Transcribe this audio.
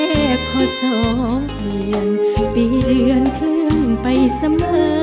และพอสองเรียนปีเดือนเขิมไปเสมอ